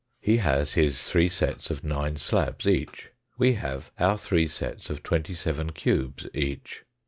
He has his three sets of nine slabs each. We have our three sets of twenty seven cubes each.